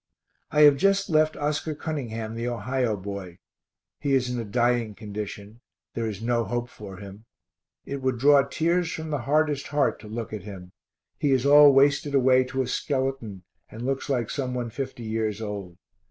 I have just left Oscar Cunningham, the Ohio boy he is in a dying condition there is no hope for him it would draw tears from the hardest heart to look at him he is all wasted away to a skeleton, and looks like some one fifty years old.